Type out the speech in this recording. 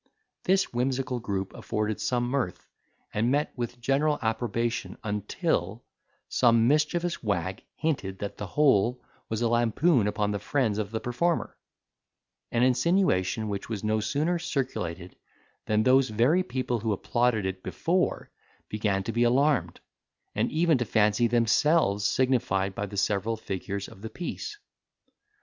This whimsical group afforded some mirth, and met with general approbation, until some mischievous wag hinted that the whole—was a lampoon upon the friends of the performer; an insinuation which was no sooner circulated than those very people who applauded it before began to be alarmed, and even to fancy themselves signified by the several figures of the piece.